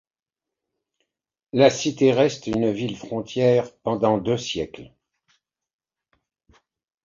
La cité reste une ville frontière pendant deux siècles.